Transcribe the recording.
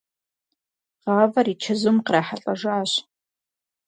Гъавэр и чэзум кърахьэлӀэжащ.